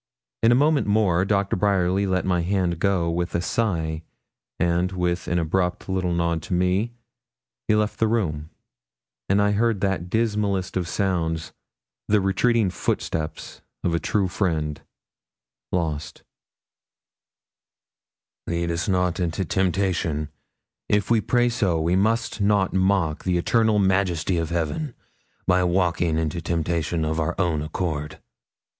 In a moment more Doctor Bryerly let my hand go with a sigh, and with an abrupt little nod to me, he left the room; and I heard that dismallest of sounds, the retreating footsteps of a true friend, lost. 'Lead us not into temptation; if we pray so, we must not mock the eternal Majesty of Heaven by walking into temptation of our own accord.'